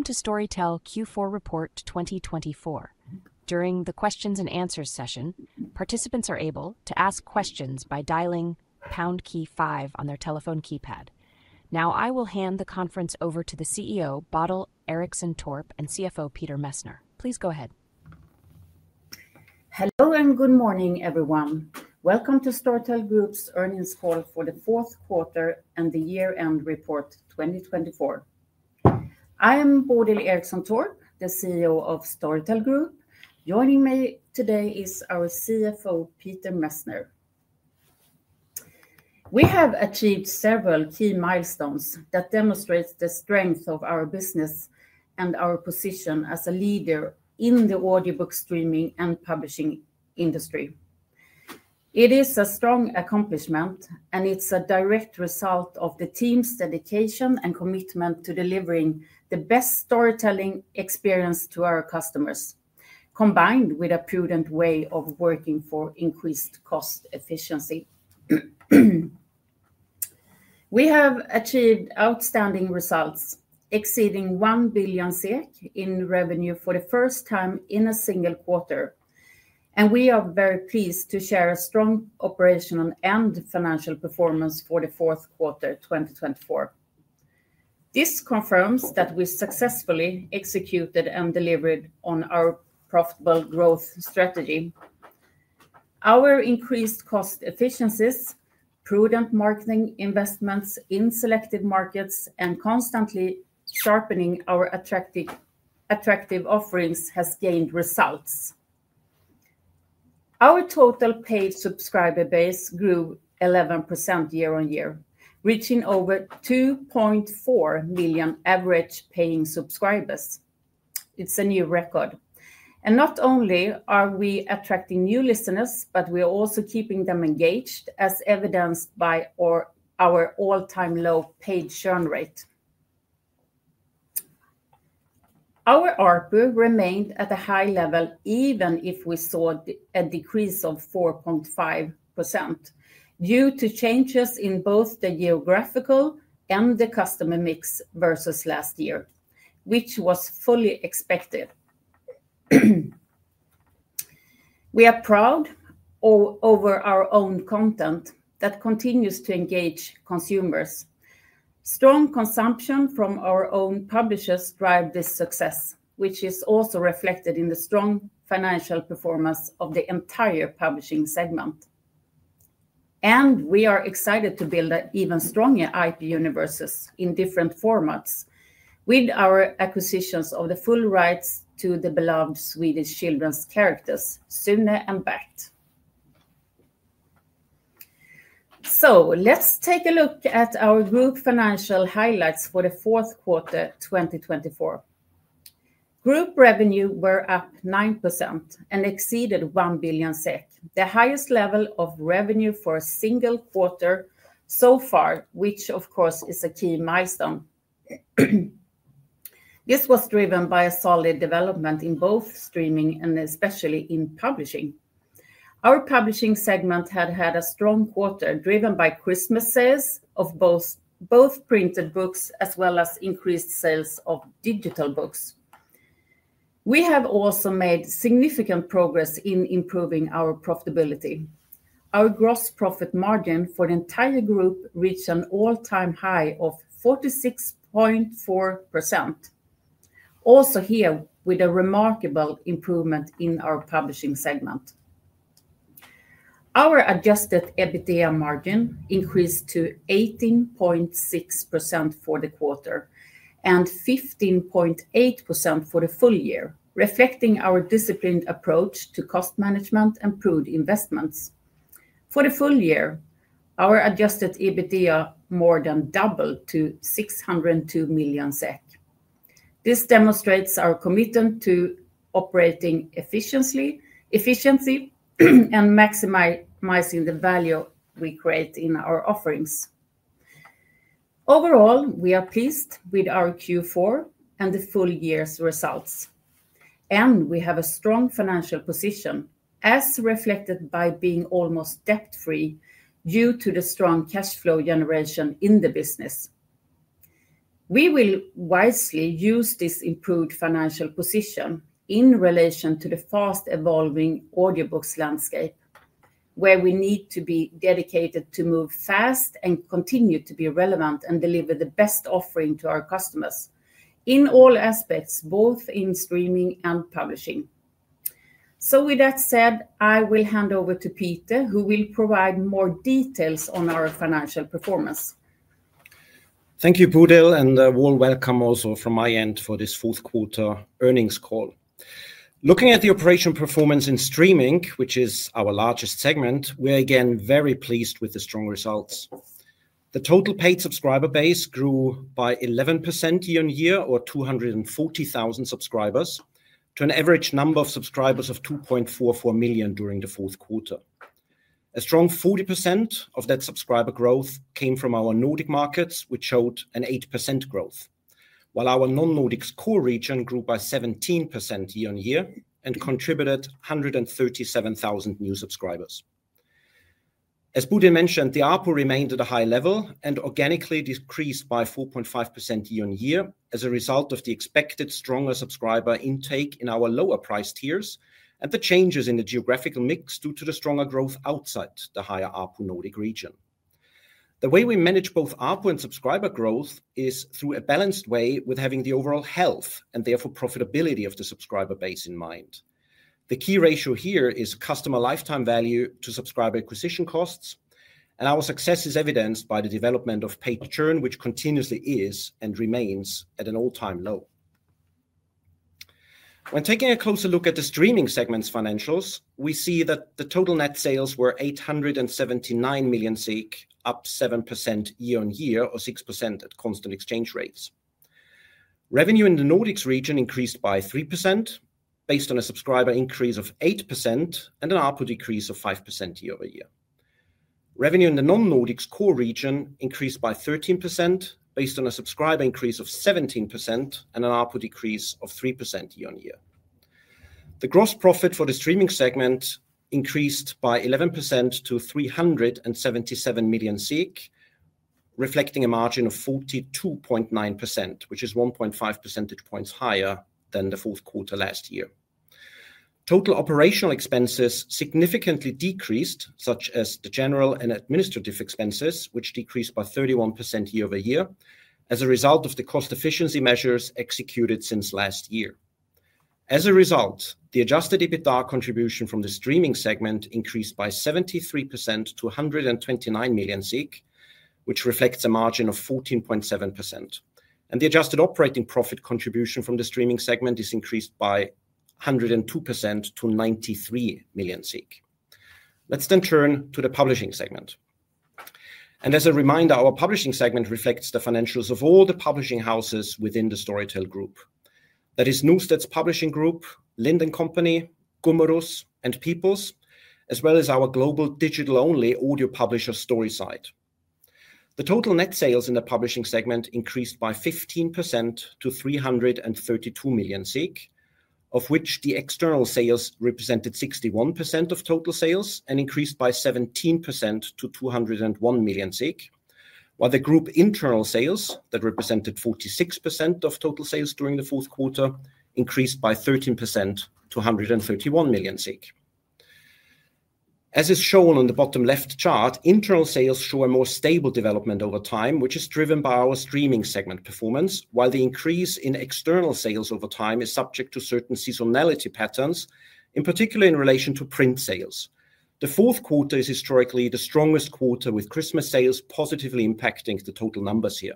Welcome to Storytel Q4 Report 2024. During the Q&A session, participants are able to ask questions by dialing pound key five on their telephone keypad. Now, I will hand the conference over to the CEO, Bodil Eriksson Torp, and CFO, Peter Messner. Please go ahead. Hello and good morning, everyone. Welcome to Storytel Group's earnings call for Q4 and FY 2024. I am Bodil Eriksson Torp, the CEO of Storytel Group. Joining me today is our CFO, Peter Messner. We have achieved several key milestones that demonstrate the strength of our business and our position as a leader in the audiobook streaming and publishing industry. It is a strong accomplishment, and it's a direct result of the team's dedication and commitment to delivering the best storytelling experience to our customers, combined with a prudent way of working for increased cost efficiency. We have achieved outstanding results, exceeding 1 billion SEK in revenue for the first time in a single quarter, and we are very pleased to share a strong operational and financial performance for Q4 2024. This confirms that we successfully executed and delivered on our profitable growth strategy. Our increased cost efficiencies, prudent marketing investments in selected markets, and constantly sharpening our attractive offerings have gained results. Our total paid subscriber base grew 11% year-on-year, reaching over 2.4 million average paying subscribers. It's a new record. And not only are we attracting new listeners, but we are also keeping them engaged, as evidenced by our all-time low paid churn rate. Our ARPU remained at a high level even if we saw a decrease of 4.5% due to changes in both the geographical and the customer mix versus last year, which was fully expected. We are proud over our own content that continues to engage consumers. Strong consumption from our own publishers drives this success, which is also reflected in the strong financial performance of the entire publishing segment. And we are excited to build even stronger IP universes in different formats with our acquisitions of the full rights to the beloved Swedish children's characters, Sune and Bert. Let's take a look at our group financial highlights for Q4 2024. Group revenue was up 9% and exceeded 1 billion SEK, the highest level of revenue for a single quarter so far, which, of course, is a key milestone. This was driven by a solid development in both streaming and especially in publishing. Our publishing segment had a strong quarter driven by Christmas sales of both printed books as well as increased sales of digital books. We have also made significant progress in improving our profitability. Our gross profit margin for the entire group reached an all-time high of 46.4%, also here with a remarkable improvement in our publishing segment. Our adjusted EBITDA margin increased to 18.6% for the quarter and 15.8% for the full year, reflecting our disciplined approach to cost management and prudent investments. For the full year, our adjusted EBITDA more than doubled to 602 million SEK. This demonstrates our commitment to operating efficiently and maximizing the value we create in our offerings. Overall, we are pleased with our Q4 and the full year's results, and we have a strong financial position, as reflected by being almost debt-free due to the strong cash flow generation in the business. We will wisely use this improved financial position in relation to the fast-evolving audiobooks landscape, where we need to be dedicated to move fast and continue to be relevant and deliver the best offering to our customers in all aspects, both in streaming and publishing. So, with that said, I will hand over to Peter, who will provide more details on our financial performance. Thank you, Bodil, and a warm welcome also from my end for this Q4 Earnings Call. Looking at the operational performance in streaming, which is our largest segment, we are again very pleased with the strong results. The total paid subscriber base grew by 11% year-on-year, or 240,000 subscribers, to an average number of subscribers of 2.44 million during Q4. A strong 40% of that subscriber growth came from our Nordic markets, which showed an 8% growth, while our non-Nordic core region grew by 17% year-on-year and contributed 137,000 new subscribers. As Bodil mentioned, the ARPU remained at a high level and organically decreased by 4.5% year-on-year as a result of the expected stronger subscriber intake in our lower price tiers and the changes in the geographical mix due to the stronger growth outside the higher ARPU Nordic region. The way we manage both ARPU and subscriber growth is through a balanced way with having the overall health and therefore profitability of the subscriber base in mind. The key ratio here is customer lifetime value to subscriber acquisition costs, and our success is evidenced by the development of paid churn, which continuously is and remains at an all-time low. When taking a closer look at the streaming segment's financials, we see that the total net sales were 879 million, up 7% year-on-year, or 6% at constant exchange rates. Revenue in the Nordics region increased by 3%, based on a subscriber increase of 8% and an ARPU decrease of 5% year-over-year. Revenue in the non-Nordics core region increased by 13%, based on a subscriber increase of 17% and an ARPU decrease of 3% year-on-year. The gross profit for the streaming segment increased by 11% to 377 million, reflecting a margin of 42.9%, which is 1.5 percentage points higher than Q4 last year. Total operational expenses significantly decreased, such as the general and administrative expenses, which decreased by 31% year-over-year as a result of the cost efficiency measures executed since last year. As a result, the adjusted EBITDA contribution from the streaming segment increased by 73% to 129 million, which reflects a margin of 14.7%. The adjusted operating profit contribution from the streaming segment is increased by 102% to 93 million. Let's then turn to the publishing segment. And as a reminder, our publishing segment reflects the financials of all the publishing houses within the Storytel Group. That is Norstedts Förlagsgrupp, Lind & Co, Gummerus, and People's, as well as our global digital-only audio publisher StorySide. The total net sales in the publishing segment increased by 15% to 332 million, of which the external sales represented 61% of total sales and increased by 17% to 201 million, while the group internal sales that represented 46% of total sales during Q4 increased by 13% to 131 million. As is shown on the bottom-left chart, internal sales show a more stable development over time, which is driven by our streaming segment performance, while the increase in external sales over time is subject to certain seasonality patterns, in particular in relation to print sales. Q4 is historically the strongest quarter, with Christmas sales positively impacting the total numbers here.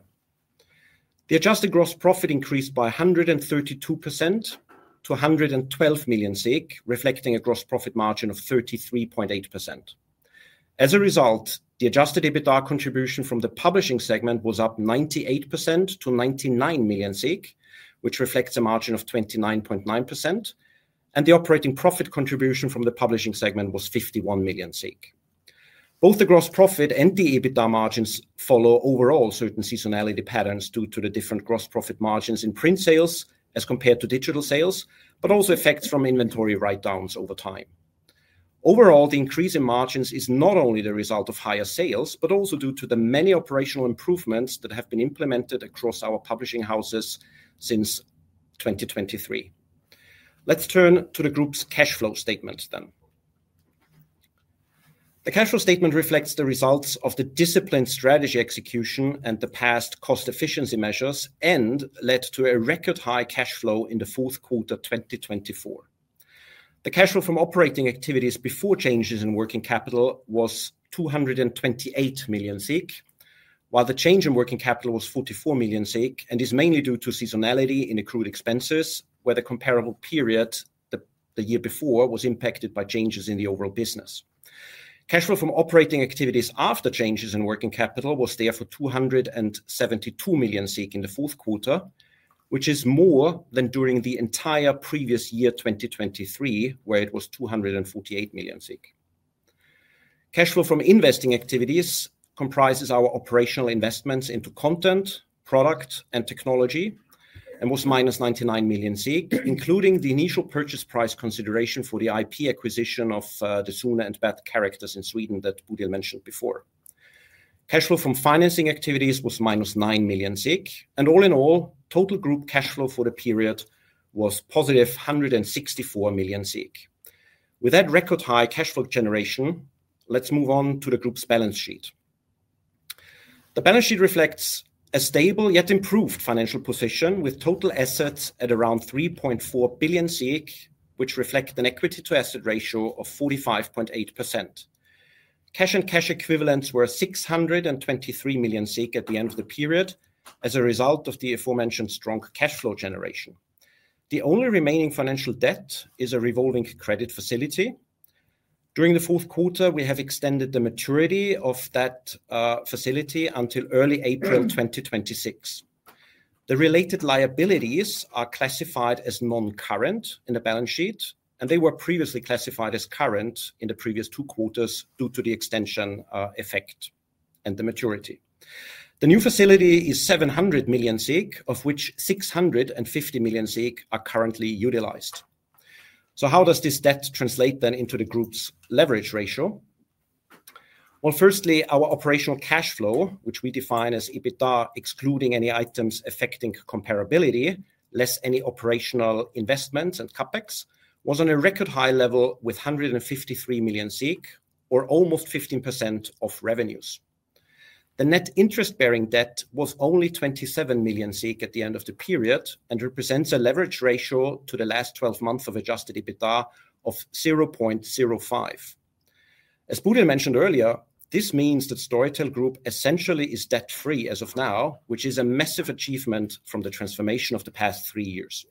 The adjusted gross profit increased by 132% to 112 million, reflecting a gross profit margin of 33.8%. As a result, the adjusted EBITDA contribution from the publishing segment was up 98% to 99 million, which reflects a margin of 29.9%, and the operating profit contribution from the publishing segment was 51 million. Both the gross profit and the EBITDA margins follow overall certain seasonality patterns due to the different gross profit margins in print sales as compared to digital sales, but also effects from inventory write-downs over time. Overall, the increase in margins is not only the result of higher sales, but also due to the many operational improvements that have been implemented across our publishing houses since 2023. Let's turn to the group's cash flow statement, then. The cash flow statement reflects the results of the disciplined strategy execution and the past cost efficiency measures and led to a record high cash flow in Q4 2024. The cash flow from operating activities before changes in working capital was 228 million, while the change in working capital was 44 million and is mainly due to seasonality in accrued expenses, where the comparable period the year before was impacted by changes in the overall business. Cash flow from operating activities after changes in working capital was therefore 272 million in Q4, which is more than during the entire previous year, 2023, where it was 248 million. Cash flow from investing activities comprises our operational investments into content, product, and technology and was minus 99 million, including the initial purchase price consideration for the IP acquisition of the Sune and Bert characters in Sweden that Bodil mentioned before. Cash flow from financing activities was minus 9 million, and all in all, total group cash flow for the period was positive 164 million. With that record high cash flow generation, let's move on to the group's balance sheet. The balance sheet reflects a stable yet improved financial position, with total assets at around 3.4 billion, which reflect an equity-to-asset ratio of 45.8%. Cash and cash equivalents were 623 million at the end of the period as a result of the aforementioned strong cash flow generation. The only remaining financial debt is a revolving credit facility. During Q4, we have extended the maturity of that facility until early April 2026. The related liabilities are classified as non-current in the balance sheet, and they were previously classified as current in the previous two quarters due to the extension effect and the maturity. The new facility is 700 million, of which 650 million are currently utilized. So how does this debt translate then into the group's leverage ratio? Well firstly, our operational cash flow, which we define as EBITDA excluding any items affecting comparability, less any operational investments and CapEx, was on a record high level with 153 million, or almost 15% of revenues. The net interest-bearing debt was only 27 million at the end of the period and represents a leverage ratio to the last 12 months of Adjusted EBITDA of 0.05. As Bodil mentioned earlier, this means that Storytel Group essentially is debt-free as of now, which is a massive achievement from the transformation of the past three years.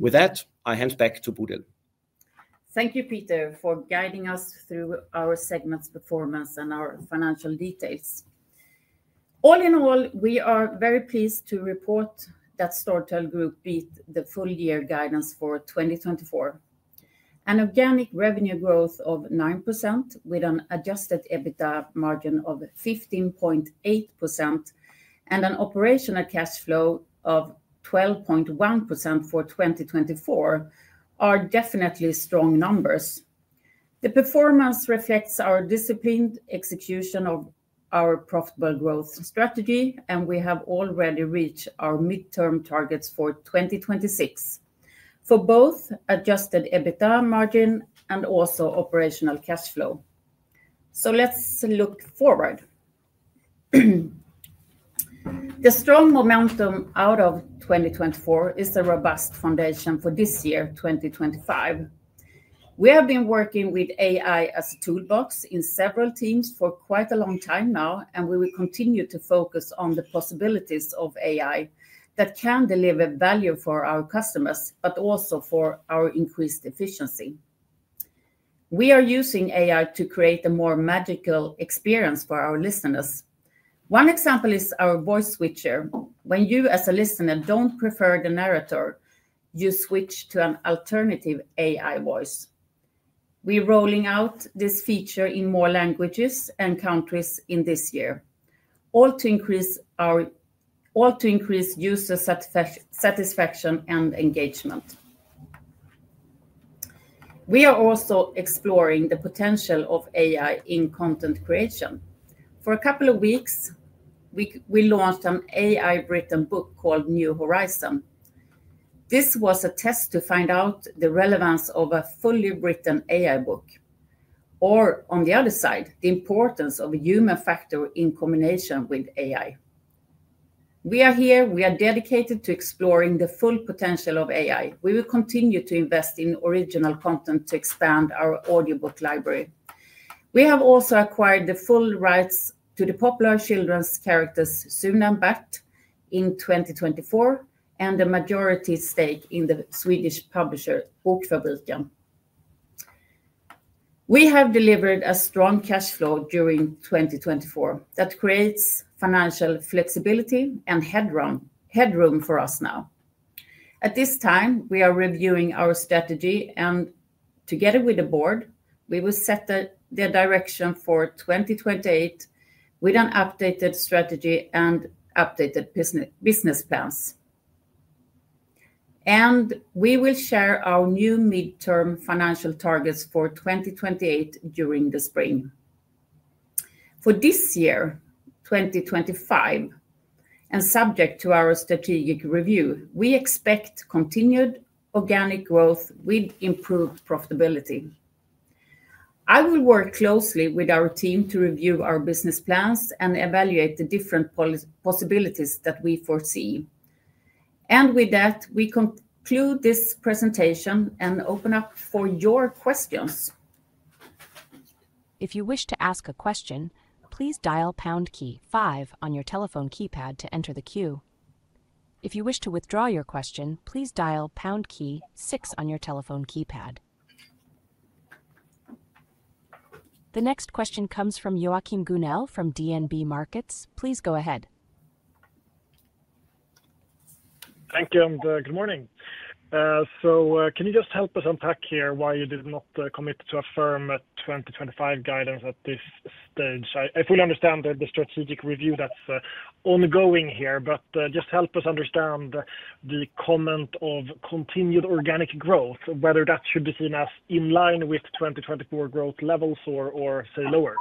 With that, I hand back to Bodil. Thank you, Peter, for guiding us through our segment's performance and our financial details. All in all, we are very pleased to report that Storytel Group beat the full-year guidance for 2024. An organic revenue growth of 9% with an Adjusted EBITDA margin of 15.8% and an operational cash flow of 12.1% for 2024 are definitely strong numbers. The performance reflects our disciplined execution of our profitable growth strategy, and we have already reached our midterm targets for 2026 for both Adjusted EBITDA margin and also operational cash flow. So let's look forward. The strong momentum out of 2024 is a robust foundation for this year, 2025. We have been working with AI as a toolbox in several teams for quite a long time now, and we will continue to focus on the possibilities of AI that can deliver value for our customers, but also for our increased efficiency. We are using AI to create a more magical experience for our listeners. One example is our Voice Switcher. When you, as a listener, don't prefer the narrator, you switch to an alternative AI voice. We are rolling out this feature in more languages and countries in this year, all to increase user satisfaction and engagement. We are also exploring the potential of AI in content creation. For a couple of weeks, we launched an AI-written book called New Horizon. This was a test to find out the relevance of a fully written AI book, or on the other side, the importance of the human factor in combination with AI. We are here. We are dedicated to exploring the full potential of AI. We will continue to invest in original content to expand our audiobook library. We have also acquired the full rights to the popular children's characters, Sune and Bert, in 2024 and a majority stake in the Swedish publisher, Bokfabriken. We have delivered a strong cash flow during 2024 that creates financial flexibility and headroom headroom for us now. At this time, we are reviewing our strategy, and together with the Board, we will set the direction for 2028 with an updated strategy and updated business plans, and we will share our new midterm financial targets for 2028 during the spring. For this year, 2025, and subject to our strategic review, we expect continued organic growth with improved profitability. I will work closely with our team to review our business plans and evaluate the different possibilities that we foresee, and with that, we conclude this presentation and open up for your questions. If you wish to ask a question, please dial pound key five on your telephone keypad to enter the queue. If you wish to withdraw your question, please dial pound key six on your telephone keypad. The next question comes from Joachim Gunell from DNB Markets. Please go ahead. Thank you, and good morning. So can you just help us unpack here why you did not commit to a firm 2025 guidance at this stage? I fully understand the strategic review that's ongoing here, but just help us understand the comment of continued organic growth, whether that should be seen as in line with 2024 growth levels or, or say, lower.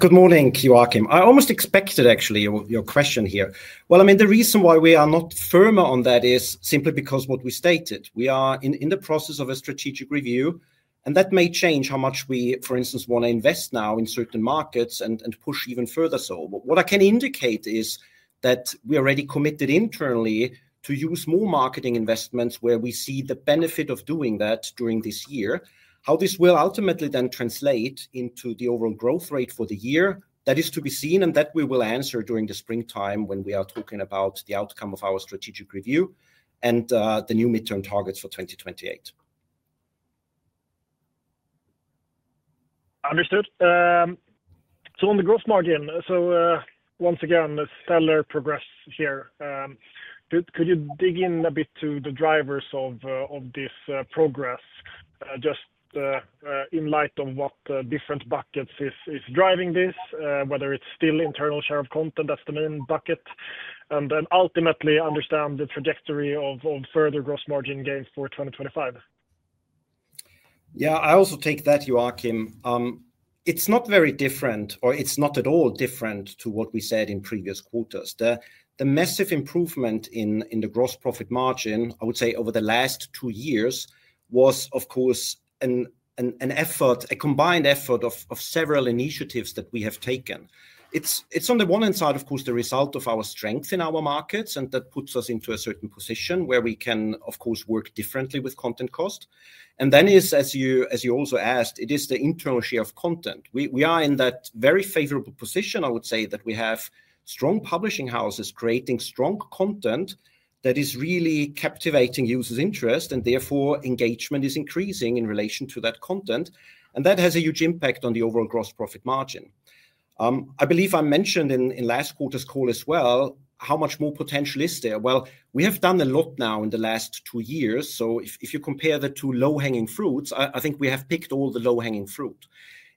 Good morning, Joachim. I almost expected, actually, your question here. Well, I mean, the reason why we are not firmer on that is simply because of what we stated. We are in the process of a strategic review, and that may change how much we, for instance, want to invest now in certain markets and push even further so. What I can indicate is that we already committed internally to use more marketing investments where we see the benefit of doing that during this year. How this will ultimately then translate into the overall growth rate for the year, that is to be seen, and that we will answer during the springtime when we are talking about the outcome of our strategic review and the new midterm targets for 2028. Understood. So, on the gross margin, so once again, stellar progress here. Could you dig in a bit to the drivers of this progress, and just in light of what different buckets is driving this, whether it's still internal share of content, that's the main bucket, and then ultimately understand the trajectory of further gross margin gains for 2025? Yeah, I also take that, Joachim. It's not very different, or it's not at all different to what we said in previous quarters. The massive improvement in the gross profit margin, I would say over the last two years, was, of course, an an effort, a combined effort of several initiatives that we have taken. It's on the one hand side, of course, the result of our strength in our markets, and that puts us into a certain position where we can, of course, work differently with content cost. And then is, as you also asked, it is the internal share of content. We are in that very favorable position, I would say, that we have strong publishing houses creating strong content that is really captivating users' interest, and therefore engagement is increasing in relation to that content, and that has a huge impact on the overall gross profit margin. I believe I mentioned in last quarter's call as well how much more potential is there, well, we have done a lot now in the last two years, so if you compare the two low-hanging fruits, I think we have picked all the low-hanging fruit.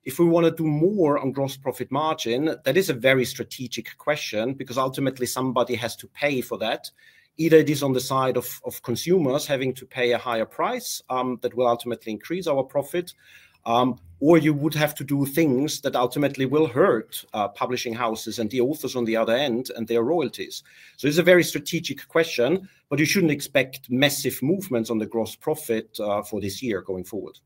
If we want to do more on gross profit margin, that is a very strategic question because ultimately somebody has to pay for that. Either it is on the side of consumers having to pay a higher price that will ultimately increase our profit, or you would have to do things that ultimately will hurt publishing houses and the authors on the other end and their royalties, so it's a very strategic question, but you shouldn't expect massive movements on the gross profit for this year going forward.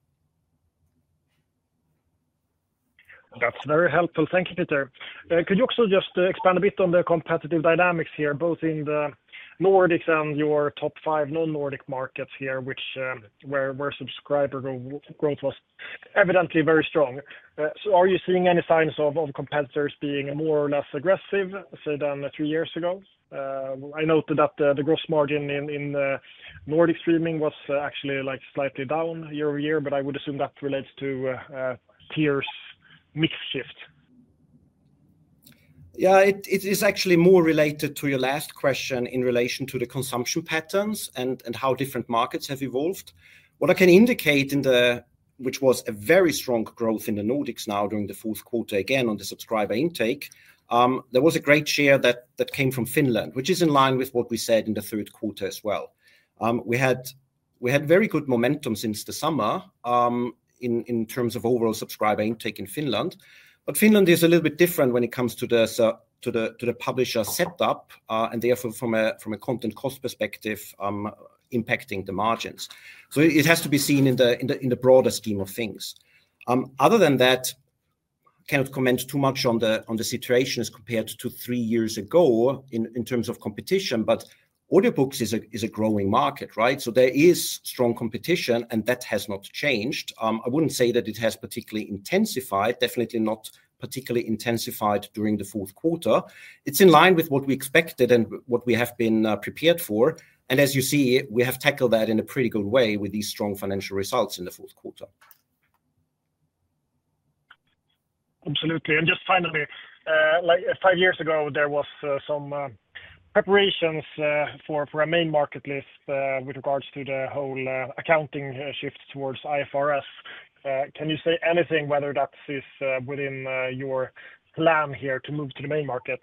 That's very helpful. Thank you, Peter. Could you also just expand a bit on the competitive dynamics here, both in the Nordics and your top five non-Nordic markets here, where subscriber growth was evidently very strong? So are you seeing any signs of competitors being more or less aggressive, say, than three years ago? I noted that the gross margin in in Nordic streaming was actually slightly down year-over-year, but I would assume that relates to tier's mix shift. Yeah, it is actually more related to your last question in relation to the consumption patterns and how different markets have evolved. What I can indicate in the, which was a very strong growth in the Nordics now during the fourth quarter again on the subscriber intake, there was a great share that came from Finland, which is in line with what we said in the third quarter as well. We had, we had very good momentum since the summer in terms of overall subscriber intake in Finland, but Finland is a little bit different when it comes to the to the publisher setup and therefore from a content cost perspective impacting the margins. So it has to be seen in the in the broader scheme of things. Other than that, I cannot comment too much on the situation as compared to three years ago in terms of competition, but audiobooks is a growing market, right? So there is strong competition, and that has not changed. I wouldn't say that it has particularly intensified, definitely not particularly intensified during the fourth quarter. It's in line with what we expected and what we have been prepared for. And as you see, we have tackled that in a pretty good way with these strong financial results in the fourth quarter. Absolutely, and just finally, like five years ago, there were some preparations for a main market list with regards to the whole accounting shift towards IFRS. Can you say anything whether that is within your plan here to move to the main market?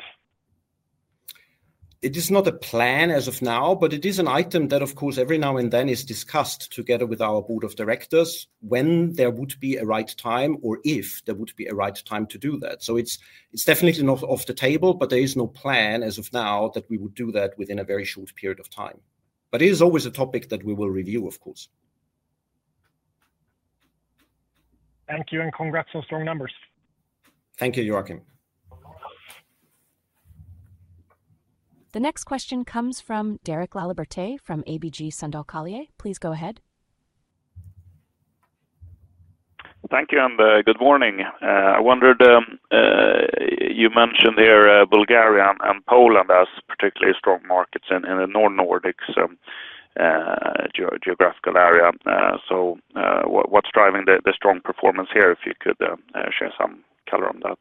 It is not a plan as of now, but it is an item that, of course, every now and then is discussed together with our Board of Directors when there would be a right time or if there would be a right time to do that, so it's definitely not off the table, but there is no plan as of now that we would do that within a very short period of time, but it is always a topic that we will review, of course. Thank you, and congrats on strong numbers. Thank you, Joachim. The next question comes from Derek Laliberté from ABG Sundal Collier. Please go ahead. Thank you, and good morning. I wondered, you mentioned here Bulgaria and Poland as particularly strong markets in the non-Nordics geographical area. So what's driving the strong performance here if you could share some color on that?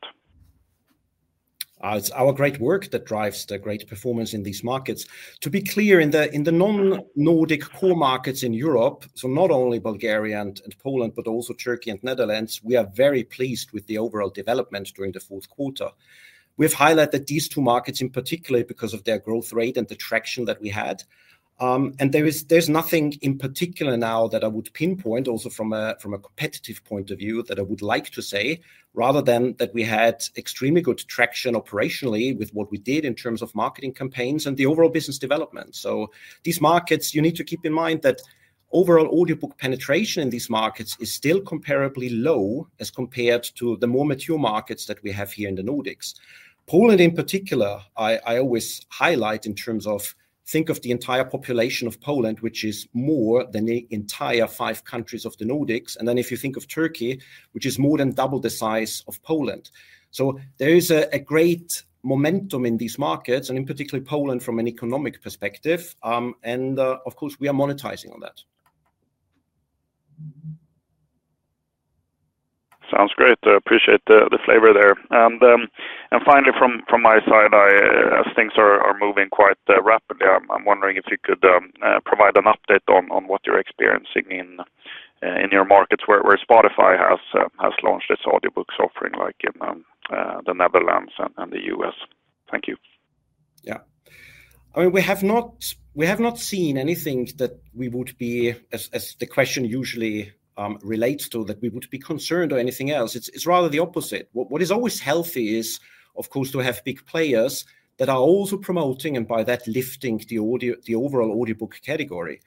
It's our great work that drives the great performance in these markets. To be clear, in the non-Nordic core markets in Europe, so not only Bulgaria and Poland, but also Turkey and Netherlands, we are very pleased with the overall development during the fourth quarter. We have highlighted these two markets in particular because of their growth rate and the traction that we had. And there's nothing in particular now that I would pinpoint also from a competitive point of view that I would like to say, rather than that we had extremely good traction operationally with what we did in terms of marketing campaigns and the overall business development, so these markets, you need to keep in mind that overall audiobook penetration in these markets is still comparably low as compared to the more mature markets that we have here in the Nordics. Poland, in particular, I always highlight in terms of think of the entire population of Poland, which is more than the entire five countries of the Nordics, and then if you think of Turkey, which is more than double the size of Poland, so there is a great momentum in these markets and in particular Poland from an economic perspective. And of course, we are monetizing on that. Sounds great. I appreciate the flavor there. And and finally, from my side, as things are moving quite rapidly, I'm wondering if you could provide an update on what you're experiencing in your markets where Spotify has launched its audiobooks offering like in the Netherlands and the U.S.? Thank you. Yeah. I mean, we have not seen anything that we would be, as the question usually relates to, that we would be concerned or anything else. It's rather the opposite. What is always healthy is, of course, to have big players that are also promoting and by that lifting the overall audiobook category.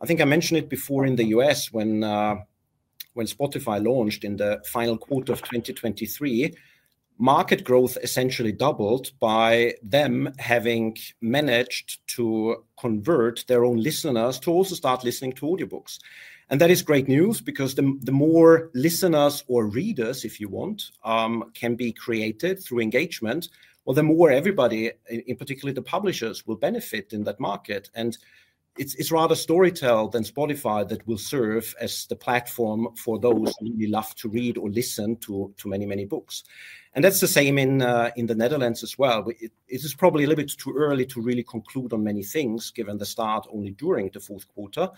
I think I mentioned it before in the U.S. when Spotify launched in the final quarter of 2023, market growth essentially doubled by them having managed to convert their own listeners to also start listening to audiobooks. And that is great news because the more listeners or readers, if you want, can be created through engagement, well, the more everybody, in particular the publishers, will benefit in that market. And it's rather Storytel than Spotify that will serve as the platform for those who really love to read or listen to many, many books. And that's the same in the Netherlands as well. It is probably a little bit too early to really conclude on many things given the start only during the fourth quarter, but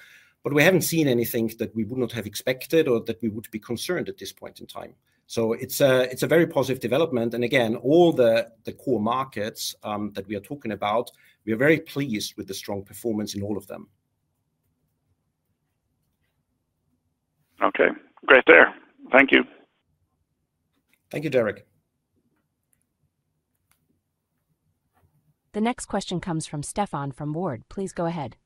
we haven't seen anything that we would not have expected or that we would be concerned at this point in time. So it's a it's a very positive development. And again, all the core markets that we are talking about, we are very pleased with the strong performance in all of them. Okay. Great there. Thank you. Thank you, Derek. The next question comes from Stefan Wård. Please go ahead.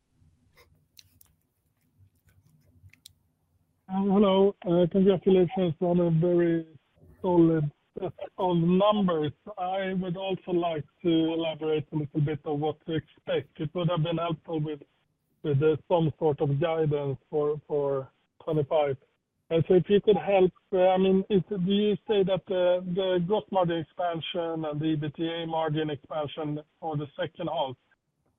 Hello. Congratulations on a very solid set of numbers. I would also like to elaborate a little bit on what to expect. It would have been helpful with some sort of guidance for for 2025. And so if you could help, I mean, do you say that the gross margin expansion and the EBITDA margin expansion for the second half,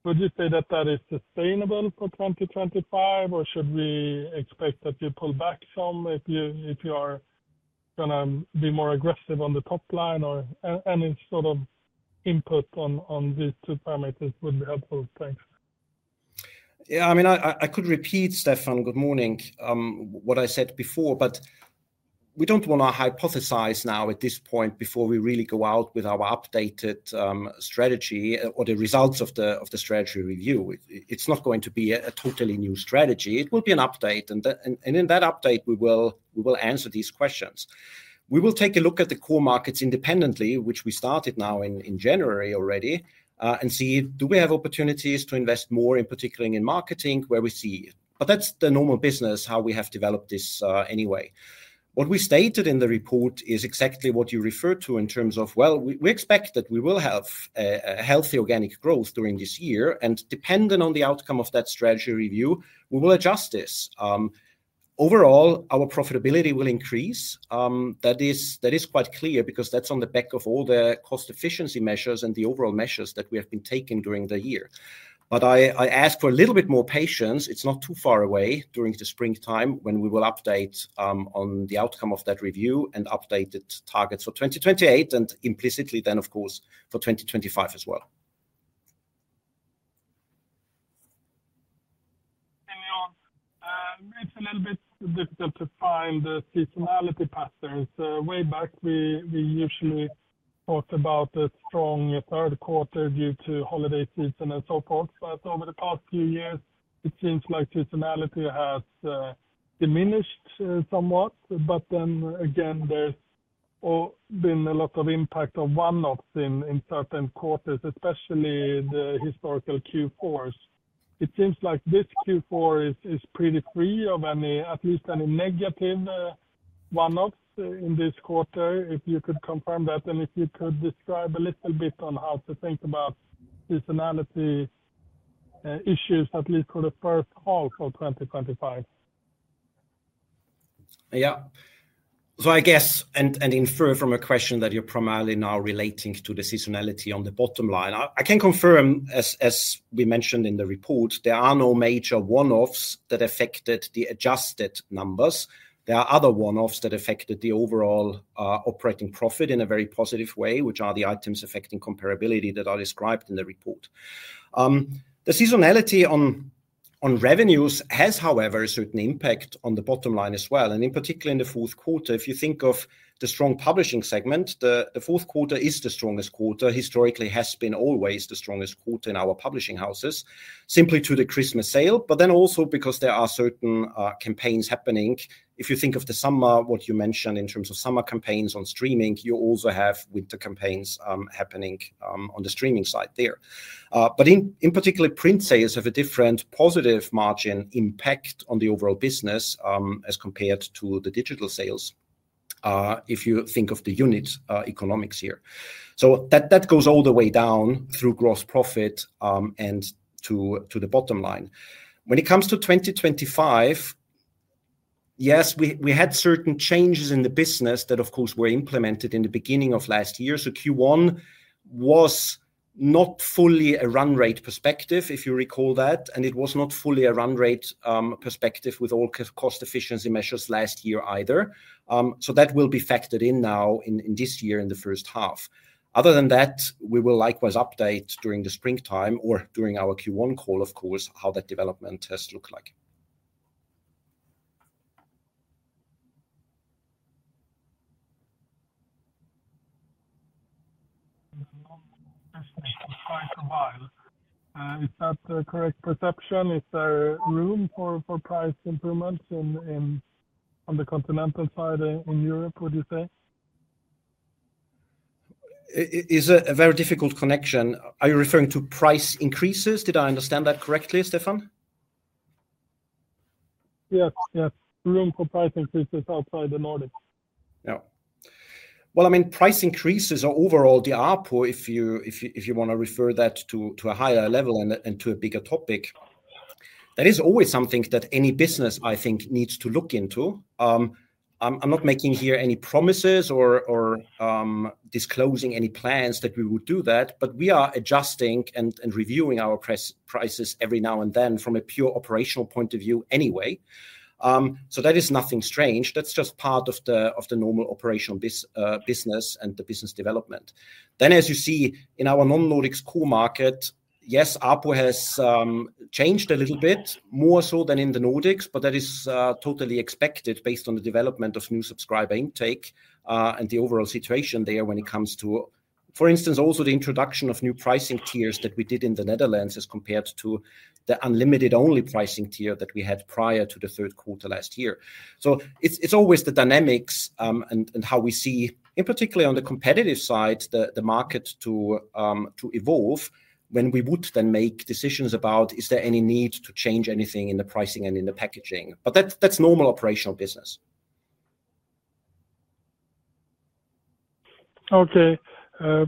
would you say that that is sustainable for 2025, or should we expect that you pull back some if you if you are going to be more aggressive on the top line? Any sort of input on on these two parameters would be helpful. Thanks. Yeah, I mean, I could repeat, Stefan, good morning, what I said before, but we don't want to hypothesize now at this point before we really go out with our updated strategy or the results of the strategy review. It's not going to be a totally new strategy. It will be an update. And in that update, we will answer these questions. We will take a look at the core markets independently, which we started now in January already, and see, do we have opportunities to invest more, in particular in marketing, where we see it. But that's the normal business, how we have developed this anyway. What we stated in the report is exactly what you refer to in terms of, well, we expect that we will have a healthy organic growth during this year. And depending on the outcome of that strategy review, we will adjust this. Overall, our profitability will increase. That is quite clear because that's on the back of all the cost efficiency measures and the overall measures that we have been taking during the year. But I I ask for a little bit more patience. It's not too far away during the springtime when we will update on the outcome of that review and update its targets for 2028 and implicitly then, of course, for 2025 as well. And it's a little bit difficult to find the seasonality patterns. Way back, we we usually talked about a strong third quarter due to holiday season and so forth, but over the past few years, it seems like seasonality has diminished somewhat, but then again, there's been a lot of impact of one-offs in certain quarters, especially the historical Q4s. It seems like this Q4 is pretty free of at least any negative one-offs in this quarter, if you could confirm that, and if you could describe a little bit on how to think about seasonality issues, at least for the first half of 2025. Yeah. So I guess, and infer from a question that you're primarily now relating to the seasonality on the bottom line, I can confirm, as we mentioned in the report, there are no major one-offs that affected the adjusted numbers. There are other one-offs that affected the overall operating profit in a very positive way, which are the items affecting comparability that are described in the report. The seasonality on revenues has, however, a certain impact on the bottom line as well. And in particular, in the fourth quarter, if you think of the strong publishing segment, the fourth quarter is the strongest quarter. Historically, it has been always the strongest quarter in our publishing houses, simply to the Christmas sale, but then also because there are certain campaigns happening. If you think of the summer, what you mentioned in terms of summer campaigns on streaming, you also have winter campaigns happening on the streaming side there. But in in particular, print sales have a different positive margin impact on the overall business as compared to the digital sales, if you think of the unit economics here. So that goes all the way down through gross profit and to the bottom line. When it comes to 2025, yes, we had certain changes in the business that, of course, were implemented in the beginning of last year. So Q1 was not fully a run rate perspective, if you recall that. And it was not fully a run rate perspective with all cost efficiency measures last year either. So that will be factored in now in this year in the first half. Other than that, we will likewise update during the springtime or during our Q1 call, of course, how that development has looked like. I'm sorry to while. Is that the correct perception? Is there room for price improvements on the continental side in Europe, would you say? It is a very difficult connection. Are you referring to price increases? Did I understand that correctly, Stefan? Yes, yes. Room for price increases outside the Nordics. Yeah. Well, I mean, price increases are overall the ARPU, if you want to refer that to a higher level and to a bigger topic. That is always something that any business, I think, needs to look into. I'm not making here any promises or or disclosing any plans that we would do that, but we are adjusting and reviewing our prices every now and then from a pure operational point of view anyway. So that is nothing strange. That's just part of the normal operational business and the business development. Then, as you see, in our non-Nordics core market, yes, ARPU has changed a little bit, more so than in the Nordics, but that is totally expected based on the development of new subscriber intake and the overall situation there when it comes to, for instance, also the introduction of new pricing tiers that we did in the Netherlands as compared to the unlimited-only pricing tier that we had prior to the third quarter last year. So it's always the dynamics and how we see, in particular on the competitive side, the market to evolve when we would then make decisions about is there any need to change anything in the pricing and in the packaging. But that's normal operational business. Okay.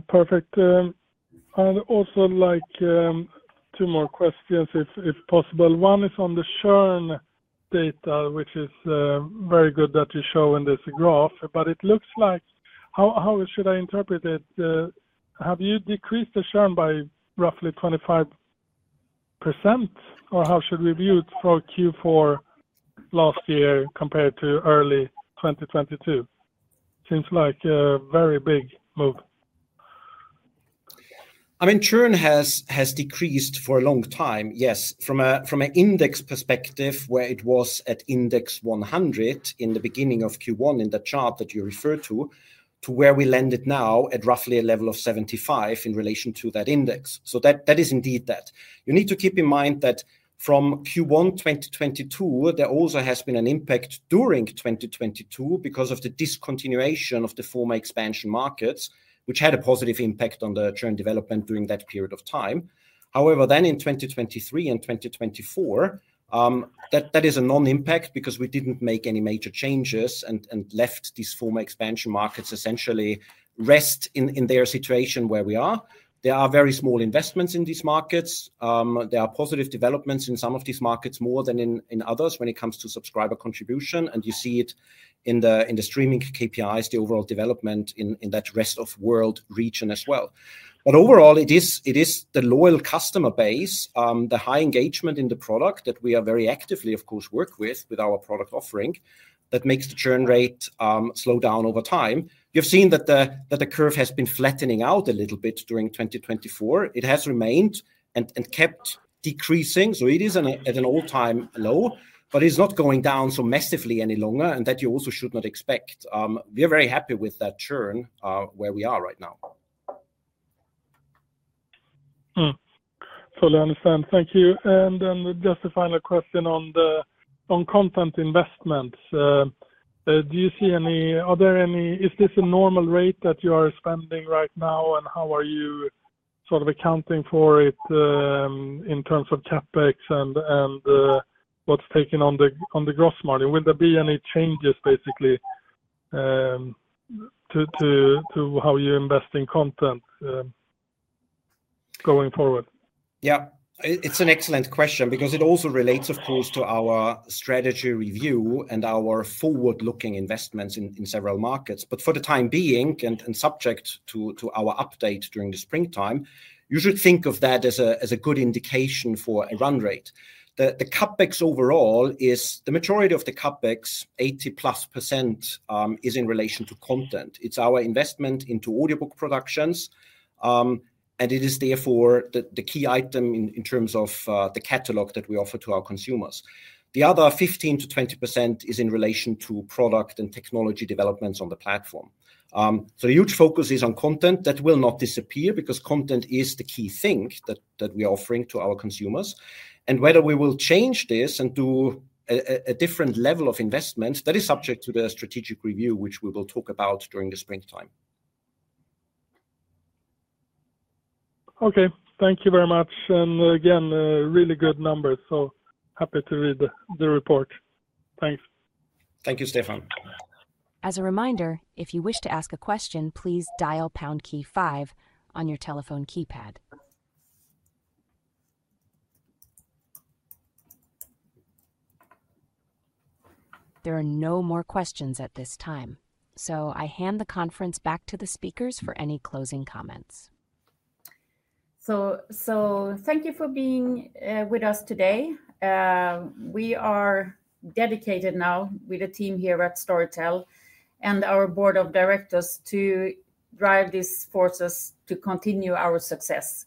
Perfect. I'd also like two more questions, if possible. One is on the churn data, which is very good that you show in this graph, but it looks like how how should I interpret it? Have you decreased the churn by roughly 25%, or how should we view it for Q4 last year compared to early 2022? Seems like a very big move. I mean, churn has has decreased for a long time, yes, from from an index perspective where it was at index 100 in the beginning of Q1 in the chart that you referred to, to where we landed now at roughly a level of 75 in relation to that index. So that is indeed that. You need to keep in mind that from Q1 2022, there also has been an impact during 2022 because of the discontinuation of the former expansion markets, which had a positive impact on the churn development during that period of time. However, then in 2023 and 2024, that is a non-impact because we didn't make any major changes and left these former expansion markets essentially rest in their situation where we are. There are very small investments in these markets. There are positive developments in some of these markets more than in others when it comes to subscriber contribution. And you see it in the streaming KPIs, the overall development in that rest of world region as well. But overall, it is it is the loyal customer base, the high engagement in the product that we are very actively, of course, work with, with our product offering that makes the churn rate slow down over time. You've seen that, that the curve has been flattening out a little bit during 2024. It has remained and kept decreasing. So it is at an all-time low, but it's not going down so massively any longer, and that you also should not expect. We are very happy with that churn where we are right now. Fully understand. Thank you. And then just a final question on content investments. Do you see any other is this a normal rate that you are spending right now, and how are you sort of accounting for it in terms of CapEx and and what's taken on the gross margin? Will there be any changes, basically, to to how you invest in content going forward? Yeah. It's an excellent question because it also relates, of course, to our strategy review and our forward-looking investments in several markets. But for the time being and subject to our update during the springtime, you should think of that as a good indication for a run rate. The CapEx overall is the majority of the CapEx, 80+%, is in relation to content. It's our investment into audiobook productions, and it is therefore the key item in terms of the catalog that we offer to our consumers. The other 15%-20% is in relation to product and technology developments on the platform. So the huge focus is on content. That will not disappear because content is the key thing that we are offering to our consumers. And whether we will change this and do a different level of investment, that is subject to the strategic review, which we will talk about during the springtime. Okay. Thank you very much. And again, really good numbers. So happy to read the report. Thanks. Thank you, Stefan. As a reminder, if you wish to ask a question, please dial pound key five on your telephone keypad. There are no more questions at this time. So I hand the conference back to the speakers for any closing comments. So so, thank you for being with us today. We are dedicated now with the team here at Storytel and our board of directors to drive these forces to continue our success.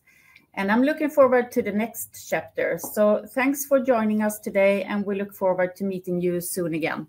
And I'm looking forward to the next chapter. So thanks for joining us today, and we look forward to meeting you soon again.